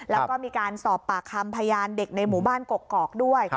แล้วก็มีการสอบปากคำพยานเด็กในหมู่บ้านกกอกด้วย